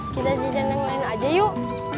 kita jajanan yang lain aja yuk